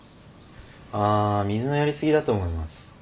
あ水のやり過ぎだと思います。